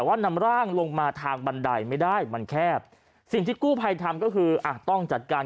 ว่านำร่างลงมาทางบันไดไม่ได้มันแคบสิ่งที่กู้ภัยทำก็คืออ่ะต้องจัดการ